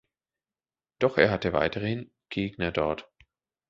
Doch er hatte weiterhin Gegner dort.